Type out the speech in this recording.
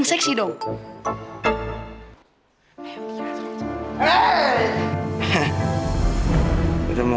gak bisa jadi raja